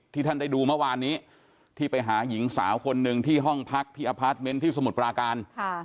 ท่านได้ดูเมื่อวานนี้ที่ไปหาหญิงสาวคนหนึ่งที่ห้องพักที่อพาร์ทเมนต์ที่สมุทรปราการ